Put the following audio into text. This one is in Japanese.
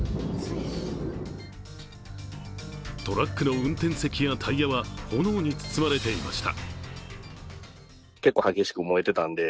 トラックの運転席やタイヤは炎に包まれていました。